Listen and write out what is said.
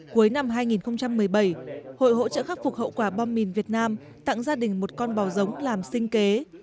cuối năm hai nghìn một mươi bảy hội hỗ trợ khắc phục hậu quả bom mìn việt nam tặng gia đình một con bò giống làm sinh kế